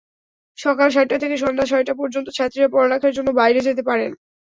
সকাল সাতটা থেকে সন্ধ্যা ছয়টা পর্যন্ত ছাত্রীরা পড়ালেখার জন্য বাইরে যেতে পারেন।